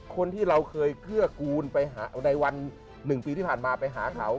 คนที่เราเคยเกื้อกูลไปหาในวัน๑ปีที่ผ่านมาไปหาเขา